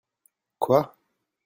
Quoi ?